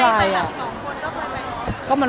อะไรนะครับ